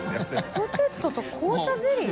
ポテトと紅茶ゼリー？